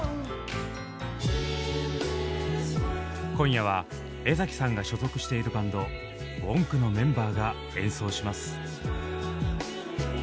今夜は江さんが所属しているバンドＷＯＮＫのメンバーが演奏します。